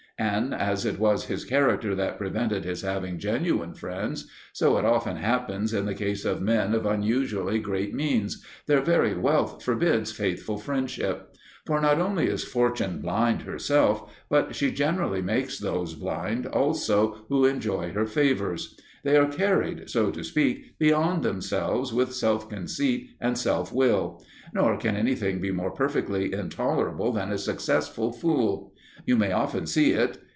And as it was his character that prevented his having genuine friends, so it often happens in the case of men of unusually great means their very wealth forbids faithful friendships. For not only is Fortune blind herself; but she generally makes those blind also who enjoy her favours. They are carried, so to speak, beyond themselves with self conceit and self will; nor can anything be more perfectly intolerable than a successful fool. You may often see it.